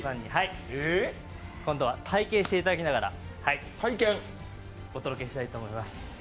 今度は体験していただきながらお届けしたいと思います。